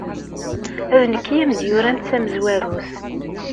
D nekk ay am-d-yuran d tamezwarut.